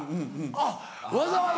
あっわざわざ。